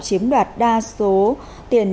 chiếm đoạt đa số tiền